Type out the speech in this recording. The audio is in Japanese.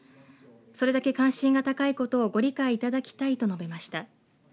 それだけ関心が高いことをご理解いただきたいと述べました。